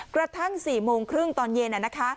กระทั่ง๔๓๐ตอนเย็น